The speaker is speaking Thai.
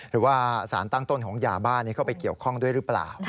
หรือว่าสารตั้งต้นของยาบ้านนี้เข้าไปเกี่ยวข้องด้วยหรือเปล่า